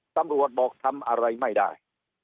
ตำรวจบอกทำอะไรไม่ได้